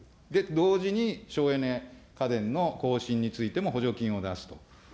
同時に省エネ家電の更新についても、補助金を出すと。